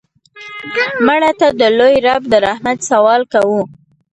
مړه ته د لوی رب د رحمت سوال کوو